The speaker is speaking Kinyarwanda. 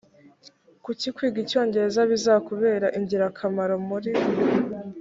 kuki kwiga icyongereza bizakubera ingirakamaro muri